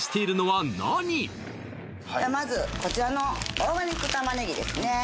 まずこちらのオーガニック玉ねぎですね